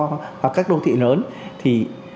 nếu ở hà nội thì do các đô thị lớn thì